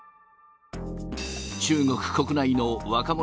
中国国内の